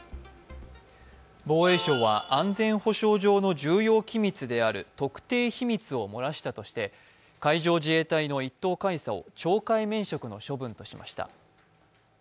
防衛省は安全保障上の重要機密である特定秘密を漏らしたとして海上自衛隊の１等海佐を懲戒免職の処分としました。